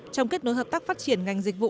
trong kết nối hợp tác phát triển ngành dịch vụ